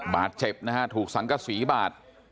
บาดเจ็บนะฮะถูกสังกษีบาด